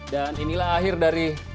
dan inilah akhir dari